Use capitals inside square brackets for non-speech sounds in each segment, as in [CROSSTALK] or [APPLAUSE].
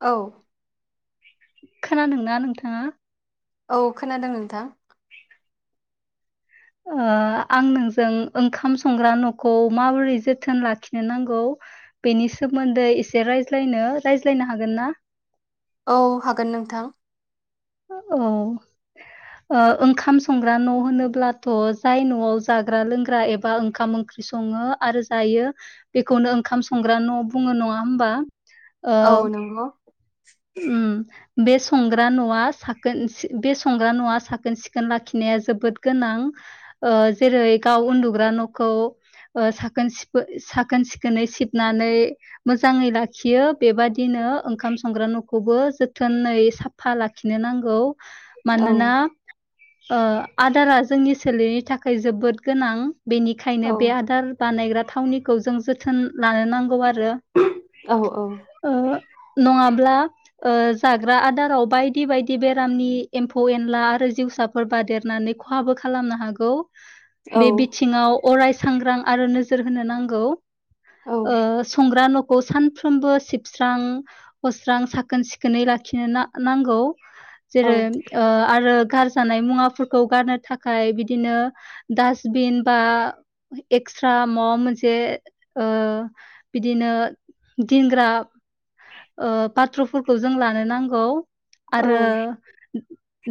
औ खोनादोंना नोंथाङा? औ खोनादों नोंथां ओ आं नोंजों ओंखाम संग्रा न'खौ माबोरै जोथोन लाखिनो नांगौ बेनि सोमोन्दै एसे रायज्लायनो रायज्लायनो हागोन ना? औ हागोन नोंथां ओ औ ओ ओंखाम संग्रा न' होनोब्लाथ' जाय न'आव जाग्रा लोंग्रा एबा ओंखाम सङो आरो जायो बेखौनो ओंखाम संग्रा न' बुङो नङा होमबा? औ ओ नोंगौ उम बे संग्रा न'आ साकोन बे संग्रा न'आ साकोन सिकोन लाखिनाया जोबोद गोनां ओ जेरै गाव उन्दुग्रा न'खौ ओ साकोन सि साकोन सिकोनै सिबनानै मोजाङै लाखि खियो बेबायादिनो ओंखाम संग्रा न' खौबो जोथोनै साफा लाखिनो नांगौ औ मानोना आदारा जोंनि सोलेरनि थाखाय जोबोद गोनां बेनिखायनो औ बे आदार बानायग्रा थावनिखौ जों जोथोन लानो नांगौ आरो औ औ ओ नङाब्ला ओ जाग्रा आदाराव बायदि बायदि बेरामनि एम्फौ एनला आरो जिउसा फोर बादेरनानै खहाबो खालामनो हागौ। औ बे बिथिङाव अराय सांग्रां आरो नोजोर होनो नांगौ। औ ओ संग्रा न'खौ सानफ्रोमबो सिबस्रां हस्रां साख साखोन सिखोनै लाखिनो नां नांगौ औ जेरै ओ आरो गार जानाय मुवाफोरखौ गारनो थाखाय बिदिनो दास्टबिन बा एक्सट्रा मवा मोनसे बिदिनो दिनग्रा पात्र प फोरखौ जों लानो नांगौ आरो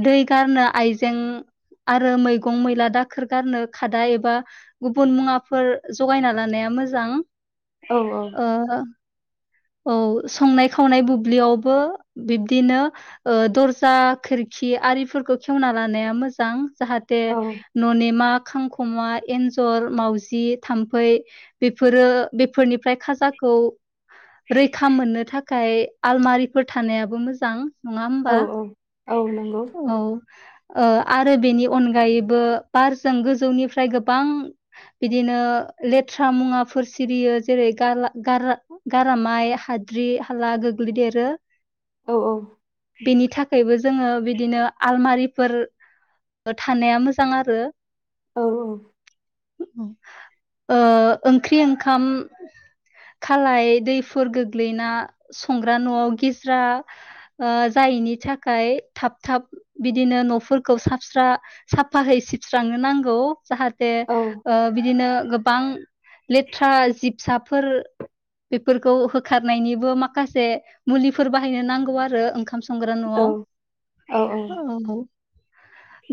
दै गारनो आइजें आरो मैगं मैला दाखोर गारनो खादा एबा गुबुन मुवाफोर जगायना लानाया मोजां ओ औ संनाय खावनाय ब दुब्लियावबो बिब्दिनो ओ दर्जा खोरखि आरिफोरखौ खेवना लानाया मोजां जाहाथे औ ननेमा, खांख'मा, एन्जर, मावउजि, थाम्फै बेफोरो बेफोरनिफ्राय खाजाखौ रैखा मोननो थाखाय आलमारिफोर थानायाबो मोजां। नङा औ होमबा? औ नंगौ औ। ओ आरो बेनि अनगायैबो बारजों गोजौनिफ्राय गोबां बिदिनो लेथ्रा मुवाफोर सिरियो जेरै गारला गार गारामाइ हाद्रि हाला गोग्लैदेरो। औ औ। बेनि थाखायबो जोंङो बिदिनो आलमारिफोर थानाया मोजां आरो। औ औ। ओ ओंख्रि ओंखाम खालाय दैफोर गोग्लैना संग्रा न'आव गिज्रा ओ जायैनि थाखाय थाब थाब बिदिनो न'फोरखौ साबस्रा साफाहै सिबस्रांनो नांगौ। जाहाथे ओ बिदिनो गोबां लेथ्रा जिब फिसाफोर बेफोरखौ होखारनायनिबो माख खासे मुलिफोर बाहायनो नांगौ आरो ओंखाम स संग्रा न'आव औ औ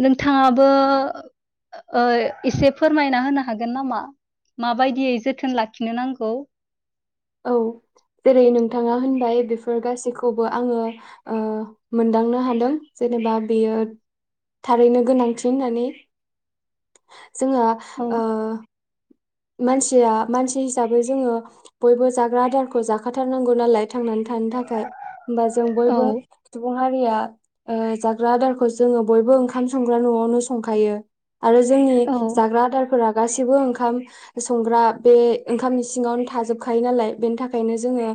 नोंथाङाबो ओ एसे फोरमायना होनो हागोन नामा माबायदियै जोथोन लाखिनो नांगौ? औ जेरै नोंथाङा होनबाय बेफोर गासैखौबो आंङो ओ मोनदांनो हादों जेनेबा बेयो थारैनो गोनांथि होननानै जोंहा औ ओ मानसिया मानसि हिसाबै जोंङो बयबो जाग्रा आदारखौ जाखाथारनांगौ नालाय थांनानै थानो थाखाय होमबा जों औ बयबो सुबुं हारिया ओ जाग्रा आदारखौ जोंङो बयबो ओंखाम संग्रा न'आवनो संखायो। आरो जोंनि जाग्रा आदारफोरा गासैबो ओंखाम संग्रा बे ओंखामनि सिङावनो थाजोबखायो नालाय बेनि थाखायनो जोंङो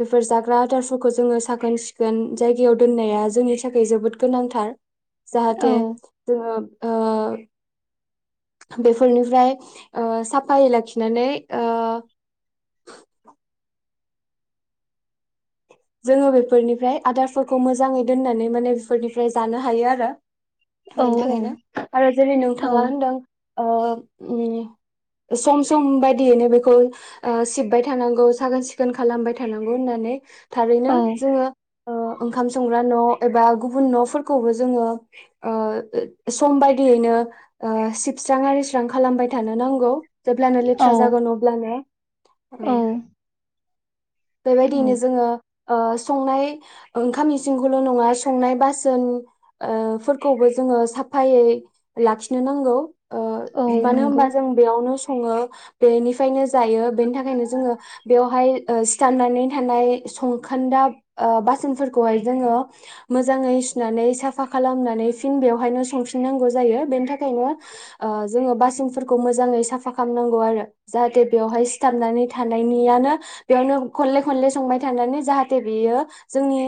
बेफोर जाग्रा आदारफोरखौ जोंङो साखोन सिखोन जायगायाव दोननाया जोंनि थाखाय जोबोद गोनांथार। [INAUDIBLE] जाहाथे जोंङो ओ बेफोरनिफ्राय ओ साफायै लाखिनानै ओ जोंङो बेफोरनिफ्राय आदारफोरखौ मोजाङै दोननानै माने बेफोरनिफ्राय जानो हायो आरो। औ बेनि थाखायनो आरो जेरै औ नोंथाङा होनदों ओ उम सम सम बायदियैनो बेखौ ओ सिबबाय थानांगौ साखोन सिखोन खालामबाय थानांगौ होननानै थारैनो जोङो ओ ओंखाम संग्रा न' एबा गुबुन न'फोरखौबो जोङो ओ सम बायदियैनो ओ सिबस्रां आरिस्रां खालामबाय थानो नांगौ। जेब्लानो लेथ्रा औ जागोन अब्लानो उम। औ औ बेबायदियैनो जोङो ओ संनाय ओंखाम इसिंखौल' नङा संनाय बासोन ओ फोरखौबो जोङो साफायै लाखिनो नांगौ। ओ औ मानो नंगौ होमबा जों बेयावनो सङो बेनिफ्रायनो जायो बेनि थाखायनो जोंङो बेयावहाय ओ सि जाननानै थानाय संखोन्दा ओ बासोनफोरखौहाय जोंङो मोजाङै सुनानै साफा खालामनानै फिन बेवहायनो संफिननांगौ जायो बेनि थाखायनो ओ जोंङो बासोनफोरखौ मोजाङै साफा खालामनांगौ आरो। जाहाथे बेवहाय सिथाबनानै थानायनियानो बेयावनो खनले खनले संबाय थानानै जाहाथे बियो जोंनि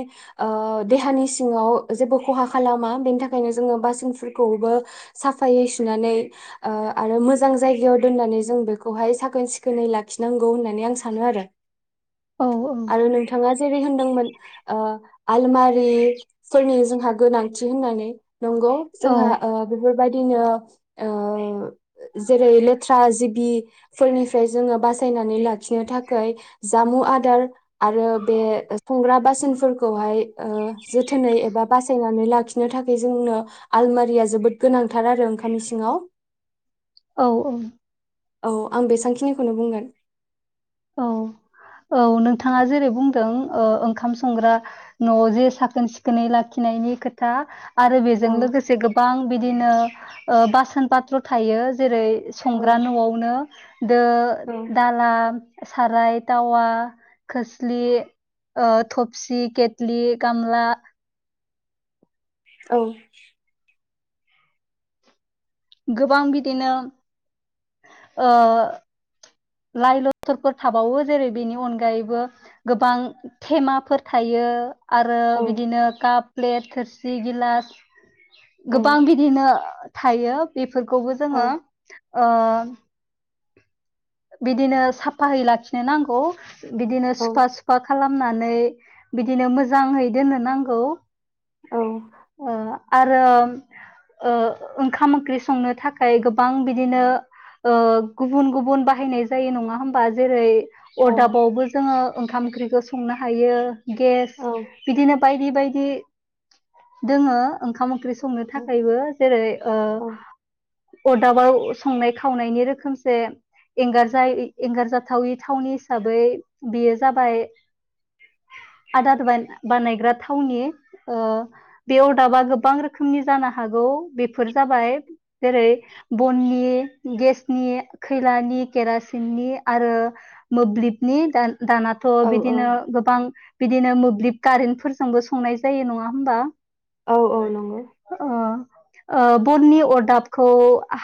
ओ देहानि सिङाव जेबो खहा खालामा बेनि थाखायनो जोंङो बासोनफोरखौबो साफायै सुनानै ओ आरो मोजां जायगायाव दोननानै जों बेखौहाय साखोन सिखोनै लाखिनांगौ होननानै आं सानो आरो। औ आरो नोंथाङा जेरै होनदोंमोन ओ आलमारिफोरनि जोंहा गोनांथि होननानै नंगौ। औ जोंहा ओ बेफोरबायदिनो ओ जेरै लेथ्रा जिबिफोरनिफ्राय जोङो बासायनानै लाखिनो थाखाय जामु आदार आरो बे संग्रा बासोनफोरखौहाय ओ जोथोनै एबा बासायनानै लाखि नो थाखाय जोंनो आलमारिया जोबोद गोनांथार आरो ओंखामनि सिङाव औ औ। औ आं बेसांखिनिखौनो बुंगोन। औ औ नोंथाङा जेरै बुंदों ओ ओंखाम संग्रा न' जे साखोन सिखोनै लाखिनायनि खोथा आरो बेजों औ लोगोसे गोबां बिदिनो ओ बासोन पात्र थायो जेरै औ संग्रा न'आवनो दो औ दाला साराय टावा खोस्लि ओ थफसि केटलि गामला औ गोबां बिदिनो ओ लाइ लथरफोर थाबावो जेरै बेनि अनगायैबो गोबां थेमाफोर थायो। आरो औ बिदिनो काप प्लेट थोरसि गिलास गोबां बिदिनो थायो बेफोरखौबो औ जोङो ओ बिदिनो साफायै लाखिनो नांगौ बिदिनो औ सुफा सुफा खालाम नानै बिदिनो मोजाङै दोननो नांगौ। औ ओ आरो ओ ओंखाम ओंख्रि संनो थाखाय गोबां बिदिनो ओ गुबुन गुबुन बाहायनाय जायो नङा होमबा जेरै औ अरदाबावबो जोङो ओंखाम ओंख्रिखौ संनो हायो गेस औ बिदिनो बायदि बायदि जोङो ओंखाम ओंख्रि संनो औ थाखायबो जेरै ओ औ अरदाबाव संनाय खावनायनि रोखोमसे एंगारजाय एंगारजाथावि थावनि हिसाबै बेयो जाबाय आदार [UNINTELLIGIBLE] बानायग्रा थावनि बे अदाबा गोबां रोखोमनि जानो हागौ बे फोर जाबाय जेरै बननि गेसनि खैलानि केरासिननि आरो मोब्लिबनि दाना थ' औ औ बिदिनो गोबां बिदिनो मोब्लिब कारेन्टफोरजोंबो संनाय जायो नङा होमबा? औ औ नंगौ अ बननि अरदाबखौ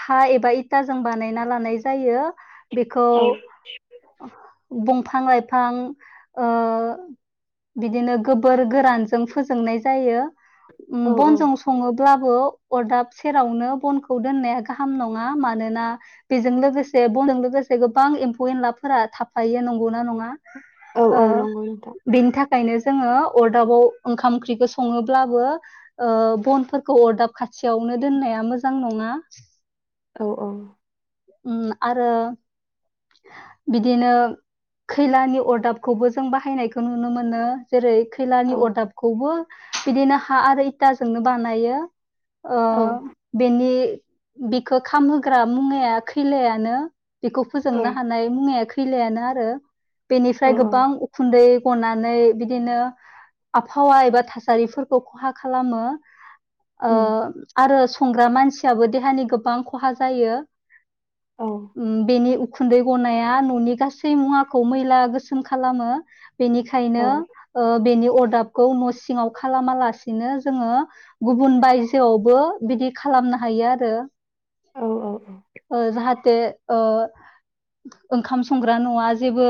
हा एबा इथाजों बानायना लानाय जायो बेखौ औ बंफां लाइफां ओ बिदिनो गोबोर गोरानजों फोजोंनाय जायो उम औ औ बनजों सङो ब्लाबो अरदाब सेरावनो बनखौ दोननाया गाहाम नङा मानोना बेजों लोगोसे बनजों लोगोसे गोबां एम्फौ एनलाफोरा थाफायो नंगौना नङा? औ ओ औ नंगौ नोंथां बेनि थाखायनो जोङो अरदाबाव ओंखाम ओंख्रिखौ सङो ब्लाबो ओ बनफोरखौ अरदाब खाथियावनो दोननाया मोजां नङा। औ औ। उम आरो बिदिनो खैलानि अरदाबखौबो जों बाहायनायखौ नुनो मोनो जेरै फिलानि औ अरदाबखौबो बिदिनो हा आरो इथाजोंनो बानायो ओ औ बेनि बिखौ खामहोग्रा मुङाया खैलायानो बेखौ औ फोजोंनो हानाय मुङाया खैलायानो आरो औ बेनिफ्राय औ गोबां उखुन्दै गनानै बिदिनो आबहावा एबा थासारिफोरखौ खहा खालामो उम आरो संग्रा मानसियाबो देहानि गोबां खहा जायो औ ओम बेनि उखुन्दै गनाया न'नि गासै मुवाखौ मैला गोसोम खालामो औ बेनिखायनो ओ बेनि अरदाबखौ न' सिङाव खालामा लासि बिदिनो जोङो गुबुन बायजोआवबो बिदि खालामनो हायो आरो। औ औ औ ओ जाहाथे ओ ओंखाम संग्रा न'आ जेबो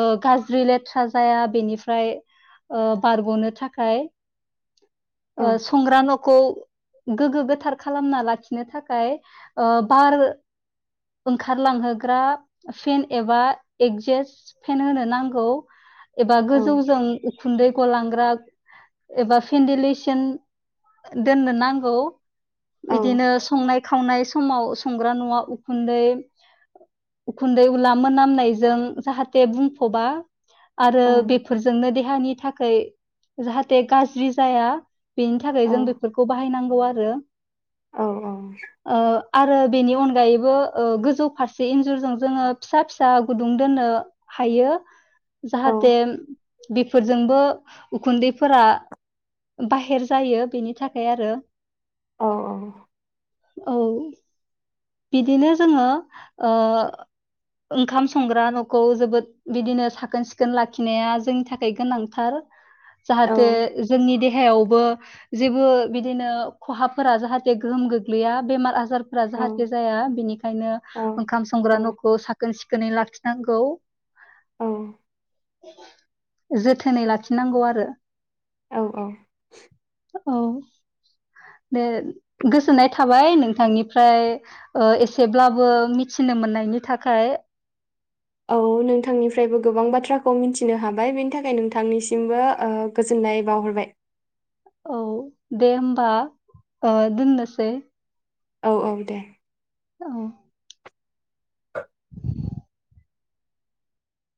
ओ गाज्रि लेथ्रा जाया बेनिफ्राय ओ बारग'नो थाखाय औ ओ संग्रा न'खौ गोग्गो गोथार खालामना लाखिनो ओ थाखाय बार ओंखारलांहोग्रा फेन एबा एगजेस फेन होनो नांगौ एबा औ गोजौजों उखुन्दै गलांग्रा एबा फिन्दिलेसन दोननो नांगौ औ बिदिनो संनाय खावनाय समाव संग्रा न'आ उखुन्दै उखुन्दै उला मोनामनायजों जाहाथे बुंफ'बा आरो बेफोरजोंनो देहानि थाखाय जाहाथे गाज्रि जाया बेनि थाखाय जों बेफोरखौ बाहायनांगौ आरो आरो बेनि अनगायैबो ओ गोजौ फारसे इनजुरजों जोङो फिसा फिसा गुदुं दोननो हायो जाहाथे बेफोरजोंबो उखुन्दैफोरा बाहेर जायो बेनि थाखाय आरो औ औ औ बिदिनो जोङो ओ ओंखाम संग्रा न'खौ जोबोद बिदिनो साखोन सिखोन लाखिनाया जोंनि थाखाय गोनांथार जाहाथे जोंनि देहायावबो जेबो बिदिनो खहाफोरा जाहाथे गोहोम गोग्लैया बेमार आजारफोरा जाहा जाया बिनिखायनो औ ओंखाम संग्रा न'खौ साखोन सिखोनै लाखिनांगौ ओं। जोथोनै लाखिनांगौ आरो। औ औ। औ। दे गोजोननाय थाबाय नोंथांनिफ्राय एसेब्लाबो मिथिनो मोननायनि थाखाय। औ नोंथांनिफ्रायबो गोबां बाथ्राखौ मिथिनो हाबाय बेनि थाखाय नोंथांनिसिमबो ओ गोजोननाय बावाहरबाय। औ दे होनबा ओ दोननोसै औ औ दे। औ